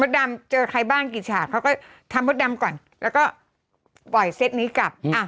ดำเจอใครบ้างกี่ฉากเขาก็ทำมดดำก่อนแล้วก็ปล่อยเซตนี้กลับอ่ะ